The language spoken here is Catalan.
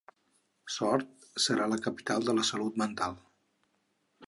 Sort serà la capital catalana de la salut mental.